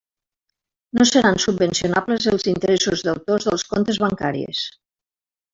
No seran subvencionables els interessos deutors dels comptes bancaris.